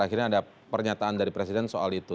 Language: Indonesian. akhirnya ada pernyataan dari presiden soal itu